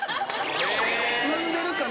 「産んでるかな？」。